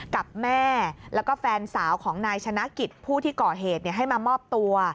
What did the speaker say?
กับแม่แล้วก็แฟนสาวของนายชนะกิจผู้ที่ก่อเหตุให้มามอบตัว